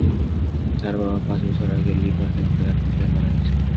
তার বাবা পাঁচ বছর আগে লিভার ক্যানসারে আক্রান্ত হয়ে মারা গেছেন।